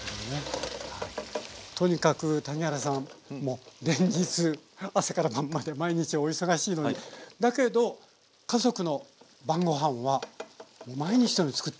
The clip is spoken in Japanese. とにかく谷原さん連日朝から晩まで毎日お忙しいのにだけど家族の晩ごはんは毎日のように作ってらっしゃる。